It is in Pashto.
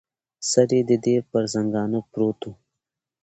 سر یې د دې پر زنګانه پروت و.